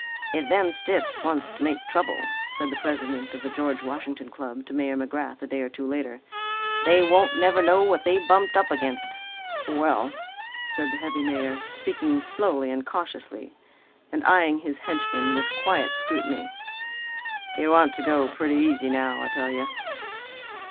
"If them stiffs wants to make trouble," said the president of the George Washington Club to Mayor McGrath a day or two later, "they won't never know what they've bumped up against." "Well," said the heavy mayor, speaking slowly and cautiously and eyeing his henchman with quiet scrutiny, "you want to go pretty easy now, I tell you."